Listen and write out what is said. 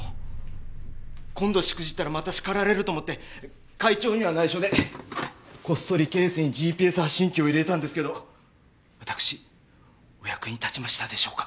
今度しくじったらまた叱られると思って会長には内緒でこっそりケースにＧＰＳ発信機を入れたんですけど私お役に立ちましたでしょうか？